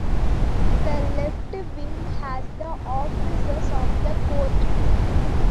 The Left Wing has the offices of the court.